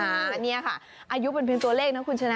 แล้วก็เนี่ยค่ะอายุเป็นเพียงตัวเลขนะคุณชนะ